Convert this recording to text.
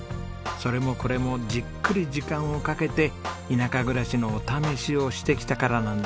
それもこれもじっくり時間をかけて田舎暮らしのお試しをしてきたからなんですね。